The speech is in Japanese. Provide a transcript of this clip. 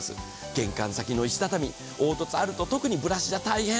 玄関先の石畳、凹凸があると特にブラシじゃ大変。